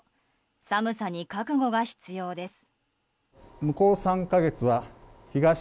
寒さに覚悟が必要です。